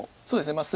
そうですね。